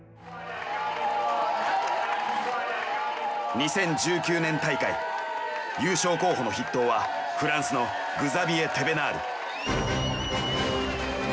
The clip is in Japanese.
２０１９年大会優勝候補の筆頭はフランスのグザビエ・テベナール。